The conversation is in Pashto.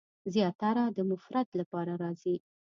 زیاتره د مفرد لپاره راځي.